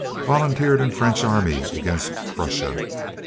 Volunteered in French army against Prussia.